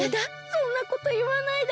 そんなこといわないで。